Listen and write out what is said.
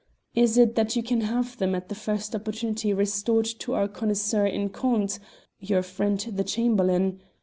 Is it that you can have them at the first opportunity restored to our connoisseur in contes your friend the Chamberlain?